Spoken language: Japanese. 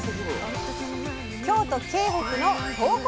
京都京北の京こ